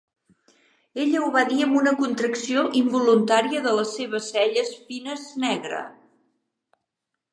Ella ho va dir amb una contracció involuntària de la seva celles fines negre.